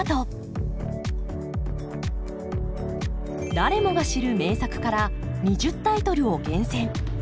誰もが知る名作から２０タイトルを厳選。